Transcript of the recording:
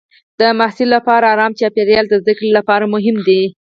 د محصل لپاره ارام چاپېریال د زده کړې لپاره مهم دی.